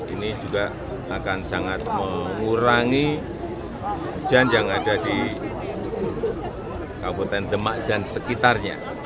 ini juga akan sangat mengurangi hujan yang ada di kabupaten demak dan sekitarnya